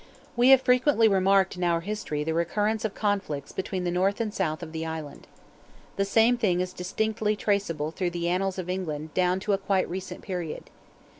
We have frequently remarked in our history the recurrence of conflicts between the north and south of the island. The same thing is distinctly traceable through the annals of England down to a quite recent period.